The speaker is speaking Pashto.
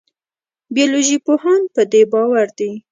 بیولوژي پوهان په دې باور دي.